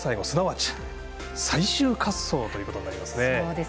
すなわち最終滑走ということになりますね。